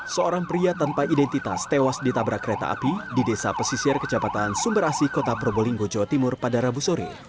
seorang pria tanpa identitas tewas ditabrak kereta api di desa pesisir kecamatan sumber asi kota probolinggo jawa timur pada rabu sore